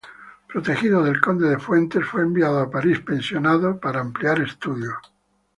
Protegido del conde de Fuentes, fue enviado a París pensionado para ampliar estudios.